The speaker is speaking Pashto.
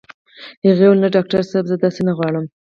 هغې وويل نه ډاکټر صاحب زه داسې نه غواړم.